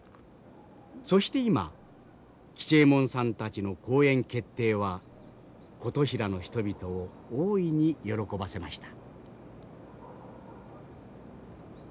そして今吉右衛門さんたちの公演決定は琴平の人々を大いに喜ばせました。